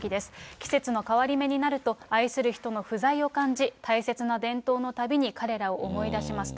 季節の変わり目になると、愛する人の不在を感じ、大切な伝統のたびに彼らを思い出しますと。